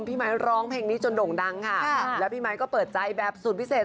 ไมค์ร้องเพลงนี้จนโด่งดังค่ะแล้วพี่ไมค์ก็เปิดใจแบบสุดพิเศษ